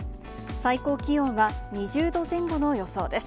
最高気温は２０度前後の予想です。